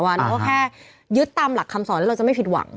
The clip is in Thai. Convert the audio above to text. เราก็แค่ยึดตามหลักคำสอนแล้วเราจะไม่ผิดหวัง